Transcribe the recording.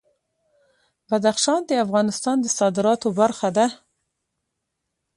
بدخشان د افغانستان د صادراتو برخه ده.